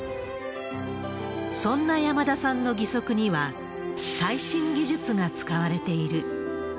そんな山田さんの義足には、最新技術が使われている。